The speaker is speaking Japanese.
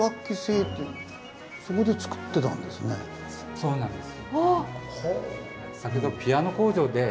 そうなんです。